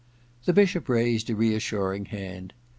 The Bishop raised a reassuring hand.